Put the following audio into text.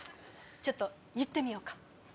ちょっと言ってみようか。